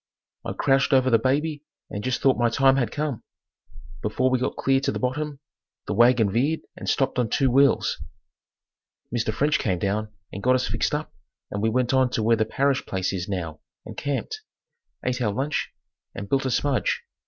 I crouched over the baby and just thought my time had come. Before we got clear to the bottom the wagon veered and stopped on two wheels. Mr. French came down and got us fixed up and we went on to where the Parrish place is now and camped, ate our lunch and built a smudge.